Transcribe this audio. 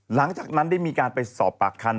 หลังจากนั้นได้มีการไปสอบปากคำ